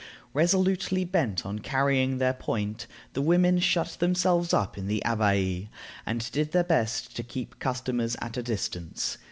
Resolutely bent on carrying their point, the women shut themselves up in the Abbaye, and did their best to keep customers at a distance.